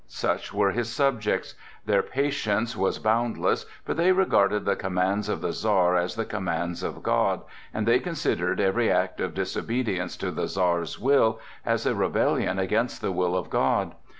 Such were his subjects! Their patience was boundless, for they regarded the commands of the Czar as the commands of God, and they considered every act of disobedience to the Czar's will as a rebellion against the will of God.